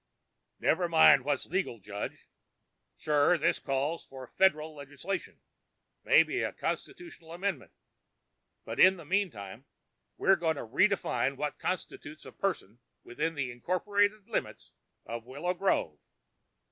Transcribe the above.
"Never mind what's legal, Judge. Sure, this calls for Federal legislation maybe a Constitutional amendment but in the meantime, we're going to redefine what constitutes a person within the incorporated limits of Willow Grove!"